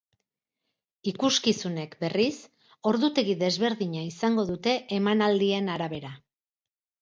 Ikuskizunek, berriz, ordutegi desberdina izango dute emanaldien arabera.